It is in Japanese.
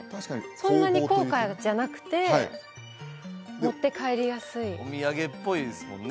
そんなに高価じゃなくて持って帰りやすいお土産っぽいですもんね